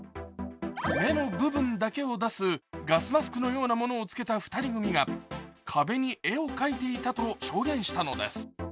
目の部分だけを出すガスマスクのようなものを着けた２人組が、壁に絵を描いていたと証言したのです。